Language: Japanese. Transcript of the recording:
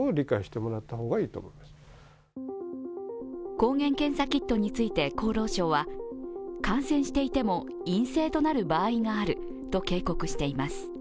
抗原検査キットについて厚労省は感染していても陰性となる場合があると警告しています。